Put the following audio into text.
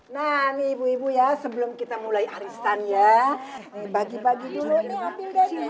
nah nih ibu ibu ya sebelum kita mulai aristan ya bagi bagi dulu